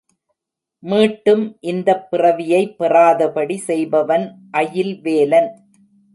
மீட்டும் இந்தப் பிறவியை பெறாதபடி செய்பவன் அயில் வேலன்.